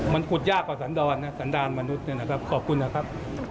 มันขุดยากกว่าสันดอนนะสันดานมนุษย์ขอบคุณครับ